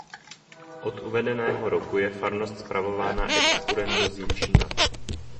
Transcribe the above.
Od uvedeného roku je farnost spravována ex currendo z Jičína.